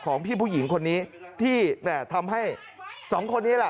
ของพี่ผู้หญิงคนนี้ที่ทำให้สองคนนี้ล่ะ